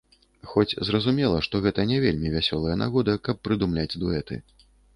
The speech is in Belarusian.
Хоць, зразумела, што гэта не вельмі вясёлая нагода, каб прыдумляць дуэты.